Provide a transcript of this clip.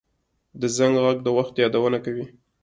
د زنګ غږ د وخت یادونه کوي